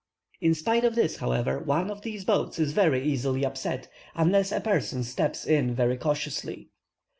In spite of this, however, one of these boats is very easily upset, unless a person steps in very cautiously.